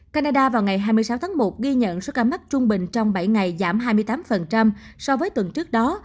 canada vào ngày hai mươi sáu tháng một ghi nhận số ca mắc trung bình trong bảy ngày giảm hai mươi tám so với tuần trước đó